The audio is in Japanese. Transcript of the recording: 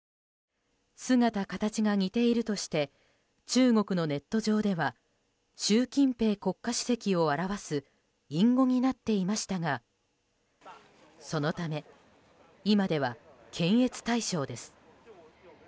姿かたちが似ているとして中国のネット上では習近平国家主席を表す隠語になっていましたがそのため、今では検閲対象です。